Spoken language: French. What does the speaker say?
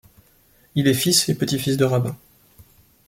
Il est fils et petit-fils de rabbin.